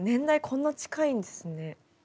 こんな近いんですね。